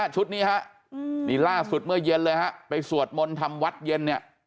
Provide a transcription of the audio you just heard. ชุดนี้ฮะนี่ล่าสุดเมื่อเย็นเลยฮะไปสวดมนต์ทำวัดเย็นเนี่ย